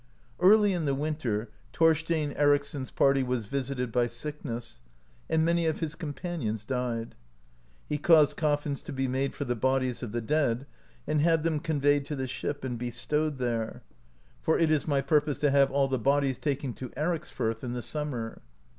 Early in the winter Thorstein Ericsson's party was vis ited by sickness, and many of his companions died. He caused coffins to be made for the bodies of the dead, and had them conveyed to the ship, and bestowed there; "for 89 AMERICA DISCOVERED BY NORSEMEN it is my purpose to have all the bodies taken to Ericsfirth in the summer."